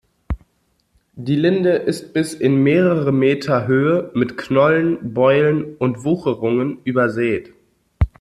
Die Linde ist bis in mehrere Meter Höhe mit Knollen, Beulen und Wucherungen übersät.